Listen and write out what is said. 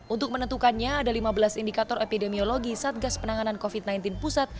untuk menentukannya ada lima belas indikator epidemiologi satgas penanganan covid sembilan belas pusat